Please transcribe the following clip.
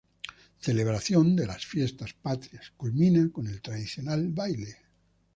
Celebración de las fiestas patrias, culmina con el tradicional baile.